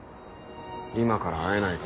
「今から会えないか」